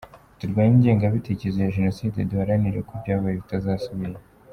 Turwanye ingengabitekerezo ya Jenoside, duharanire ko ibyabaye bitazasubira.